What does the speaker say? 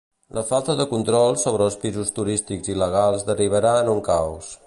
La falta de control sobre els pisos turístics il·legals derivarà en un caos.